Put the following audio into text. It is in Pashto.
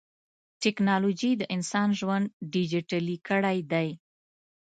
ټکنالوجي د انسان ژوند ډیجیټلي کړی دی.